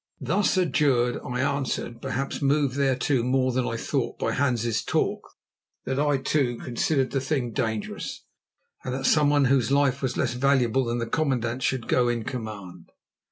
Thus adjured, I answered, perhaps moved thereto more than I thought by Hans's talk, that I, too, considered the thing dangerous, and that someone whose life was less valuable than the commandant's should go in command.